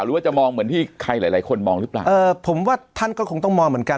หรือว่าจะมองเหมือนที่ใครหลายหลายคนมองหรือเปล่าเออผมว่าท่านก็คงต้องมองเหมือนกัน